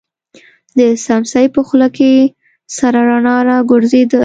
د سمڅې په خوله کې سره رڼا را وګرځېده.